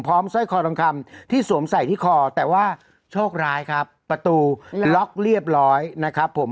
สร้อยคอทองคำที่สวมใส่ที่คอแต่ว่าโชคร้ายครับประตูล็อกเรียบร้อยนะครับผม